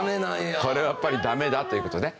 これはやっぱりダメだという事で。